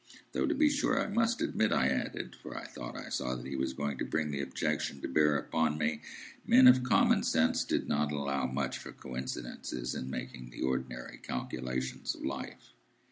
Though to be sure I must admit, I added (for I thought I saw that he was going to bring the objection to bear upon me), men of common sense did not allow much for coincidences in making the ordinary calculations of life.